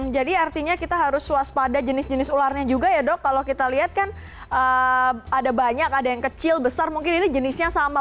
jadi artinya kita harus waspada jenis jenis ularnya juga ya dok kalau kita lihat kan ada banyak ada yang kecil besar mungkin ini jenisnya sama